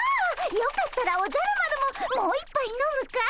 よかったらおじゃる丸ももう一杯飲むかい？